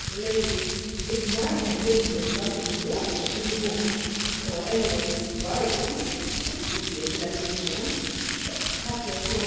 "Lady, if mine had been the luck in Yorkshire to be born, Or any of its ridings, this would be a blessed morn; But, hapless one!